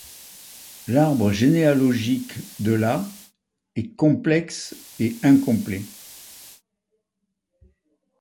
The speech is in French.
L'arbre généalogique de la est complexe et incomplet.